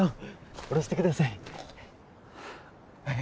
下ろしてください